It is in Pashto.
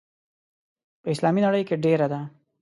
په اسلامي نړۍ کې ډېره ده.